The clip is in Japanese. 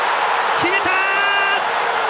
決めた！